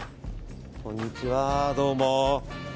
こんにちはー、どうも。